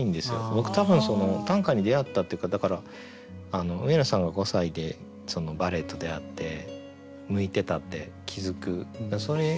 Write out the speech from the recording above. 僕多分短歌に出会ったっていうかだから上野さんが５歳でバレエと出会って向いてたって気付くそれが僕短歌だったんですけど。